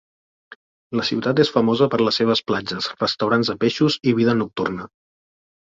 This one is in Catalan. La ciutat és famosa per les seves platges, restaurants de peixos i vida nocturna.